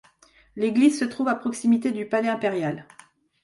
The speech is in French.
L'église se trouve à proximité du palais impérial.